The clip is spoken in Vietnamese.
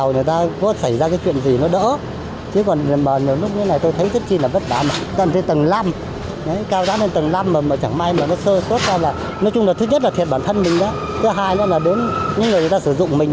nói chung là thứ nhất là thiệt bản thân mình đó thứ hai là đến những người người ta sử dụng mình